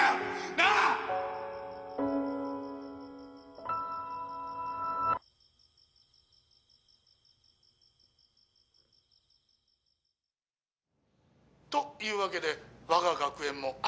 なあ！？というわけでわが学園もあと３０日。